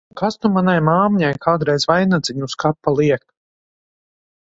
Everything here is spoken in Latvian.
Un kas nu manai māmiņai kādreiz vainadziņu uz kapa liek!